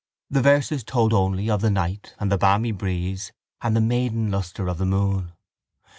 The verses told only of the night and the balmy breeze and the maiden lustre of the moon.